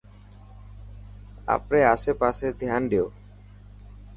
آپري آسي پاسي ڌيان ڏيو.